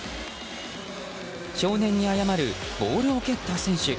少年に謝るボールを蹴った選手。